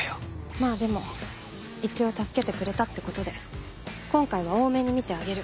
まぁでも一応助けてくれたってことで今回は大目に見てあげる。